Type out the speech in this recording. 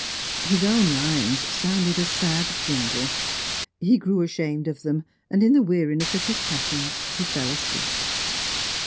His own lines sounded a sad jingle; he grew ashamed of them, and in the weariness of his passions he fell asleep.